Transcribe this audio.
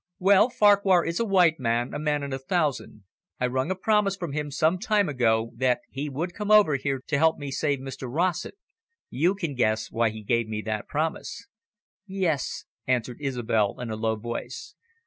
"Well, Farquhar is a white man, a man in a thousand. I wrung a promise from him some time ago that he would come over here to help me to save Mr Rossett. You can guess why he gave me that promise." "Yes," answered Isobel in a low voice.